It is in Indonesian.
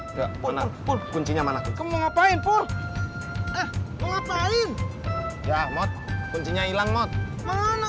udah mana kuncinya mana mau ngapain pur eh mau ngapain ya mod kuncinya hilang mod mana